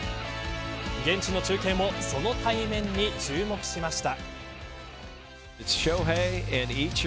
現地の中継もその対面に注目しました。